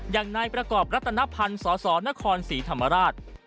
อย่างนายประกอบรัตนพันธ์สสนครศรีธรรมราช